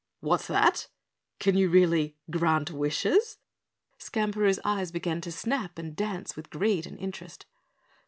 "What's that? Can you really grant wishes?" Skamperoo's eyes began to snap and dance with greed and interest.